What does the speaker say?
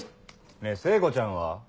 ねぇ聖子ちゃんは？